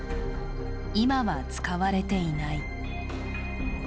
今は使われていない。